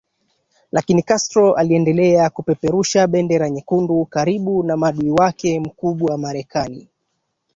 lakini Castro aliendelea kupeperusha bendera nyekundu karibu na maadui wake mkubwa Marekani